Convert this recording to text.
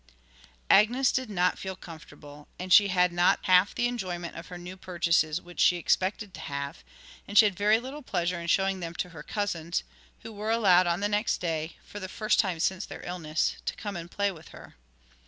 Agnes did not feel comfortable, and she had not half the enjoyment of her new purchases which she expected to have; and she had very little pleasure in showing them to her cousins, who were allowed on the next day, for the first time since their illness, to come and play with her.